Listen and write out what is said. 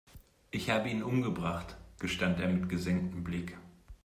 Ich habe ihn umgebracht, gestand er mit gesenktem Blick.